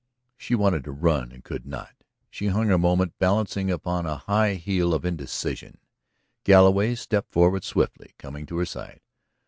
She wanted to run and could not. She hung a moment balancing upon a high heel in indecision. Galloway stepped forward swiftly, coming to her side.